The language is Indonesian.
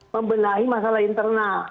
membenahi masalah internal